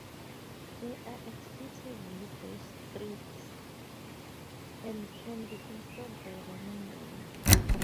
They are executable bash scripts, and can be installed by running them.